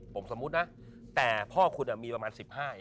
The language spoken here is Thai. ผมสมมุตินะแต่พ่อคุณมีประมาณ๑๕